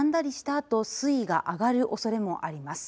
あと水位が上がるおそれもあります。